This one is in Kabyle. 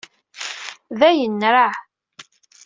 Dayen, nraɛ.